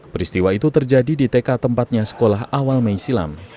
peristiwa itu terjadi di tk tempatnya sekolah awal mei silam